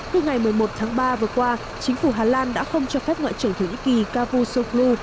từ ngày một mươi một tháng ba vừa qua chính phủ hà lan đã không cho phép ngoại trưởng thổ nhĩ kỳ cavusoku